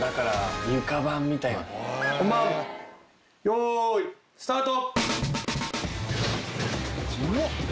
本番よいスタート！